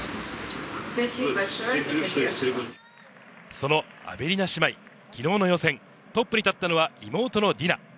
そのアベリナ姉妹、昨日の予選トップに立ったのは妹のディナ。